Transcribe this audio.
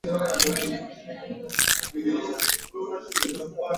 kujaza viti ambavyo vimeachwa wazi tangu uachaguzi